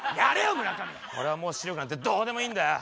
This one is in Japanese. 俺はもう視力なんてどうでもいいんだよ。